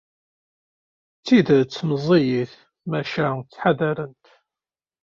D tidet meẓẓiyit, maca ttḥadarent.